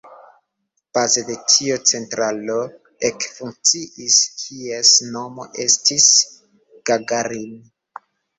Baze de tio centralo ekfunkciis, kies nomo estis Gagarin.